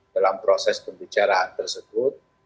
dalam proses pembicaraan